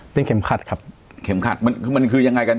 เป็นเข็มขัดครับเข็มขัดมันคือมันคือยังไงกัน